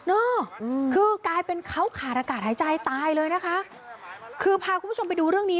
เออคือกลายเป็นเขาขาดอากาศหายใจตายเลยนะคะคือพาคุณผู้ชมไปดูเรื่องนี้